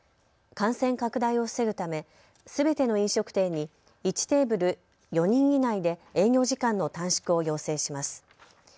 感染拡大を防ぐためすべての飲食店に１テーブル４人以内で営業時間の短縮を要請します。